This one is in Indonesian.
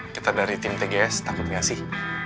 kita dari tim tgs takut gak sih